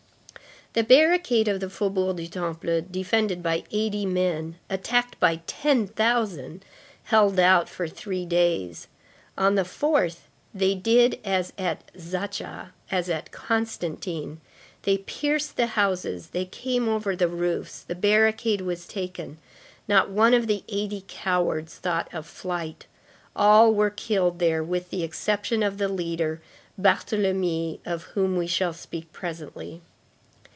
The barricade of the Faubourg du Temple, defended by eighty men, attacked by ten thousand, held out for three days. On the fourth, they did as at Zaatcha, as at Constantine, they pierced the houses, they came over the roofs, the barricade was taken. Not one of the eighty cowards thought of flight, all were killed there with the exception of the leader, Barthélemy, of whom we shall speak presently.